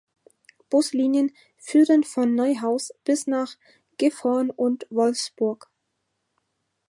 Buslinien führen von Neuhaus bis nach Gifhorn und Wolfsburg.